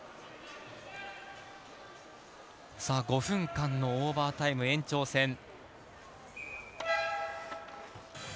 ５分間のオーバータイム延長戦。